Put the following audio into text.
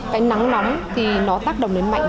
cái nắng nóng thì nó tác động đến mạnh